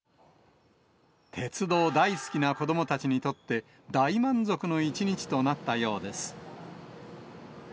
鉄道大好きな子どもたちにとって、大満足の一日となったようです。